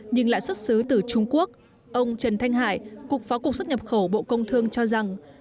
nhưng lại xuất xứ từ trung quốc ông trần thanh hải cục phó cục xuất nhập khẩu bộ công thương cho rằng